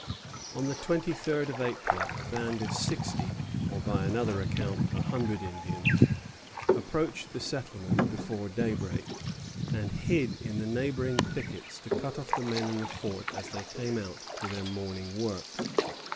On the 23d of April a band of sixty, or, by another account, a hundred Indians, approached the settlement before daybreak, and hid in the neighboring thickets to cut off the men in the fort as they came out to their morning work.